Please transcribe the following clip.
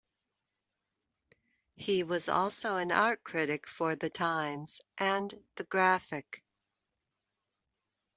He was also an art critic for "The Times" and "The Graphic.